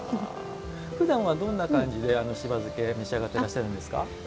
ふだんはどんな感じでしば漬け召し上がってらっしゃるんですか。